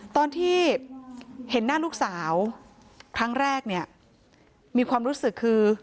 ตอนที่เห็นหน้าลูกสาวครั้งแรกเนี่ยมีความรู้สึกคือ